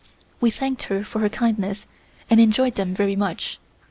We thanked her for her kindness and enjoyed them very much.